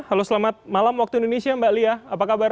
halo selamat malam waktu indonesia mbak lia apa kabar